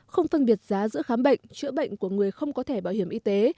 không phân biệt giá giữa khám bệnh chữa bệnh của người không có thẻ bảo hiểm y tế